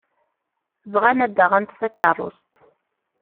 Bɣan ad d-aɣent takeṛṛust.